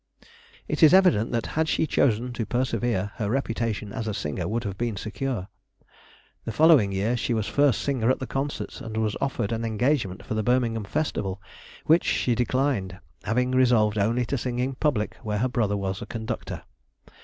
It is evident that had she chosen to persevere, her reputation as a singer would have been secure. The following year she was first singer at the concerts, and was offered an engagement for the Birmingham Festival, which she declined, having resolved only to sing in public where her brother was conductor.